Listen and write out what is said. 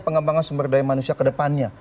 pengembangan sumber daya manusia kedepannya